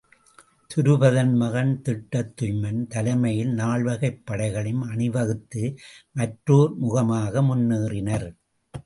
துருபதன் மகன் திட்டத்துய்மன் தலைமையில் நால்வகைப் படைகளும் அணிவகுத்து மற்றோர் முகமாக முன்னேறினர்.